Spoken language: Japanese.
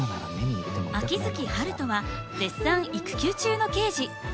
秋月春風は絶賛育休中の刑事。